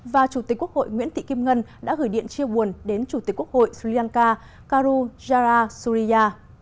và chủ tịch quốc hội nguyễn thị kim ngân đã gửi điện chia buồn đến chủ tịch quốc hội sri lanka karu jara surya